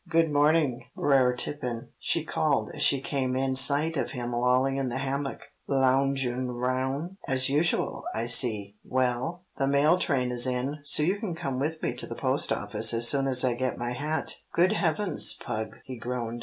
"Good morning, Brer Tarrypin," she called as she came in sight of him lolling in the hammock. "Lounjoun' roun' as usual, I see. Well, the mail train is in, so you can come with me to the post office as soon as I get my hat." "Good heavens, Pug!" he groaned.